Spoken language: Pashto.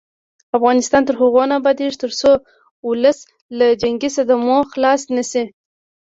افغانستان تر هغو نه ابادیږي، ترڅو ولس له جنګي صدمو خلاص نشي.